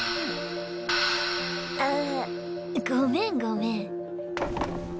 あごめんごめん。